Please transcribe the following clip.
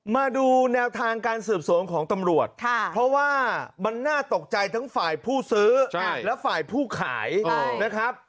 มาดูแนวทางการสืบสวนของตำรวจเพราะว่ามันน่าตกใจทั้งฝ่ายผู้ซื้อและฝ่ายผู้ขายนะครับ